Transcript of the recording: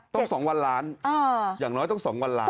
๒วันล้านอย่างน้อยต้อง๒วันล้าน